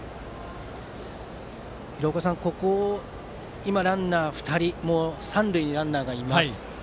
廣岡さん、今、ランナー２人三塁にランナーがいます。